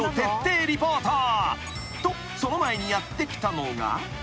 ［とその前にやって来たのが］